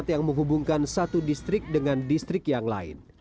yang menghubungkan satu distrik dengan distrik yang lain